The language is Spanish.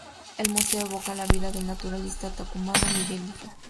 El Museo evoca la vida del naturalista tucumano Miguel Lillo.